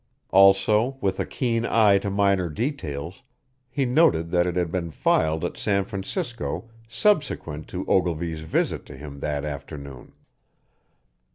Also, with a keen eye to minor details, lie noted that it had been filed at San Francisco SUBSEQUENT to Ogilvy's visit to him that afternoon.